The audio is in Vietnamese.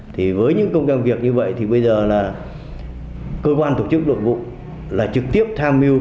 thì với những công cao việc như vậy thì bây giờ là cơ quan tổ chức nội vụ là trực tiếp tham mưu